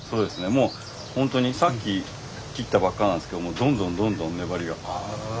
もう本当にさっき切ったばっかなんですけどどんどんどんどん粘りが。